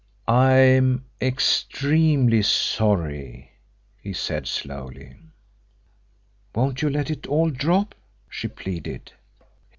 "I'm extremely sorry," he said slowly. "Won't you let it all drop?" she pleaded.